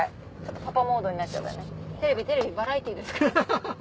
パパモードになっちゃうんだねテレビテレビバラエティーですから。